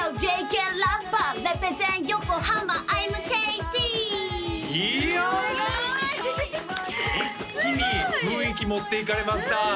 一気に雰囲気持っていかれました